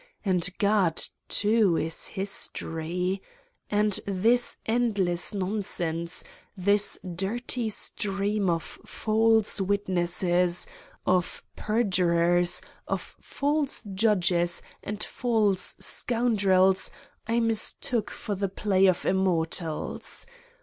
And God, too, is History ! And this endless non sense, this dirty stream of false witnesses, of per jurers, of false judges and false scoundrels I mis took for the play of immortals